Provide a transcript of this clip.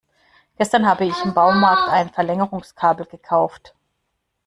Gestern habe ich im Baumarkt ein Verlängerungskabel gekauft.